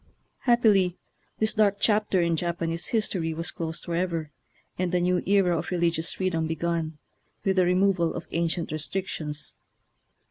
Happily this dark chapter in Japanese history was closed forever, and a new era of religious freedom begun, with the removal of ancient restrictions.